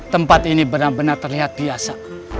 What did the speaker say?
tempat ini bener bener terlihat biasa